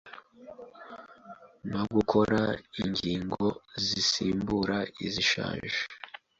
no gukora ingingo zisimbura izishaje